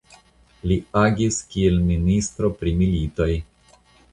Li agis kiel ministro pri militoj.